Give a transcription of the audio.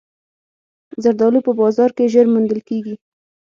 زردالو په بازار کې ژر موندل کېږي.